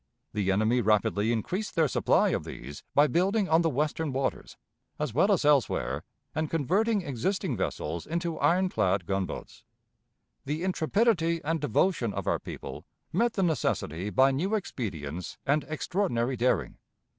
The enemy rapidly increased their supply of these by building on the Western waters, as well as elsewhere, and converting existing vessels into iron dad gunboats. The intrepidity and devotion of our people met the necessity by new expedients and extraordinary daring.